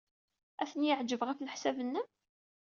Ad ten-yeɛjeb, ɣef leḥsab-nnem?